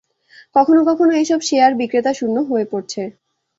কখনো কখনো এসব শেয়ার বিক্রেতাশূন্য হয়ে পড়ছে।